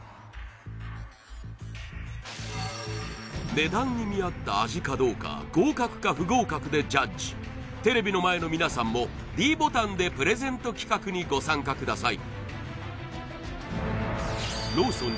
値段に見合った味かどうか合格か不合格でジャッジテレビの前の皆さんもｄボタンでプレゼント企画にご参加ください